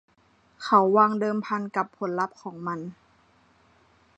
เขาวางเดิมพันกับผลลัพธ์ของมัน